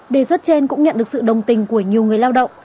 đề xuất trên cũng nhận được sự đồng tình của nhiều người lao động